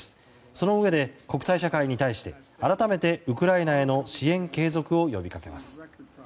そのうえで、国際社会に対して改めてウクライナへの支援継続を呼びかけます。